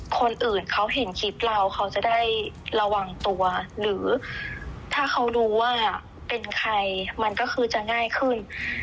คนอื่นเขาเห็นคลิปเราเขาจะได้ระวังตัวหรือถ้าเขารู้ว่าเป็นใครมันก็คือจะง่ายขึ้น